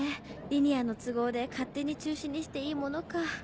リニアの都合で勝手に中止にしていいものか。